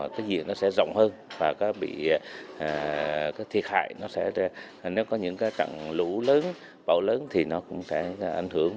cái gì nó sẽ rộng hơn và có bị cái thiệt hại nó sẽ nếu có những cái trận lũ lớn bão lớn thì nó cũng sẽ ảnh hưởng